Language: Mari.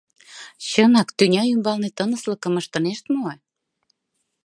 Чынак тӱня ӱмбалне тыныслыкым ыштынешт мо?